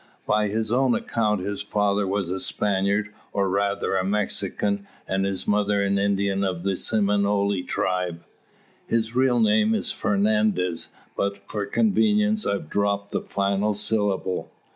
By his own account his father was a Spaniard, or rather a Mexican, and his mother an Indian of the Seminole tribe. His real name is Fernandez; but for convenience I've dropped the final syllable."